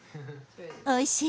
おいしい。